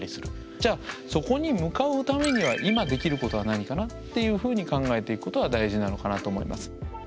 じゃそこに向かうためには今できることは何かな？っていうふうに考えていくことが大事なのかなと思います。